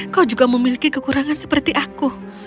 kau juga memiliki kekurangan seperti aku